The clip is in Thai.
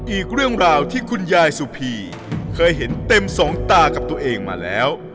อีกเรื่องราวที่คุณยายสุพีเคยเห็นเต็มสองตากับตัวเองมาแล้ว